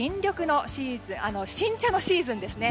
新茶のシーズンですね。